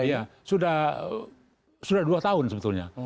oh kita sudah ya sudah dua tahun sebetulnya